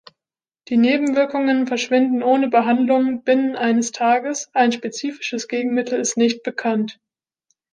Die Nebenwirkungen verschwinden ohne Behandlung binnen eines Tages, ein spezifisches Gegenmittel ist nicht bekannt.